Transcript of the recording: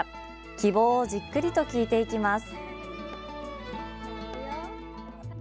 希望をじっくりと聞いていきます。